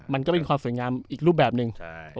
มันก็เป็นความสวยงามอีกรูปแบบหนึ่ง